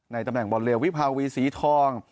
ในตำแหน่งบอลเลียวิพาว๓๔วีศีลทอง